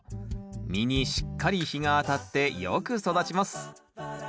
実にしっかり日が当たってよく育ちます。